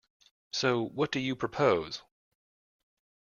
So, what do you propose?